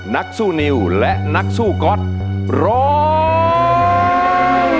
นักสู้นิวและนักสู้ก๊อตร้อง